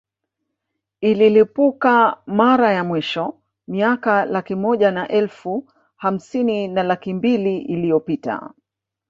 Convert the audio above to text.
Ililipuka mara ya mwisho miaka laki moja na elfu hamsini na laki mbili iliyopita